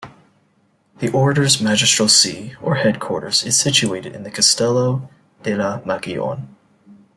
The order's Magistral See, or headquarters, is situated in the Castello della Magione.